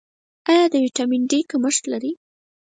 ایا د ویټامین ډي کمښت لرئ؟